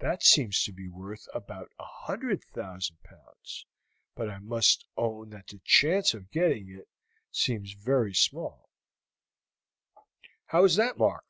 That seems to be worth about 100,000 pounds but I must own that the chance of getting it seems very small." "How is that, Mark?"